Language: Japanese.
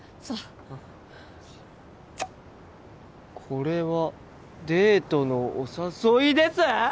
「※これはデートのお誘いです」